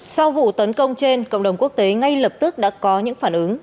sau vụ tấn công trên cộng đồng quốc tế ngay lập tức đã có những phản ứng